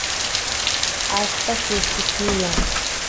allpa lluspi tiyan